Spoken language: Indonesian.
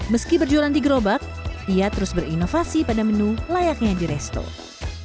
meski berjualan di gerobak ia terus berinovasi pada menu layaknya di restoran